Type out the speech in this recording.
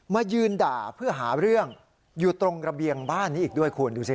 มายืนด่าเพื่อหาเรื่องอยู่ตรงระเบียงบ้านนี้อีกด้วยคุณดูสิ